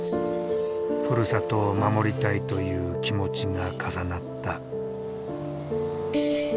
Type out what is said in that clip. ふるさとを守りたいという気持ちが重なった。